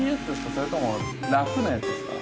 それとも楽なやつですか。